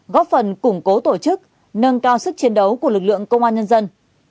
góp phần củng cố tổ chức nâng cao sức chiến đấu của lực lượng công an nhân dân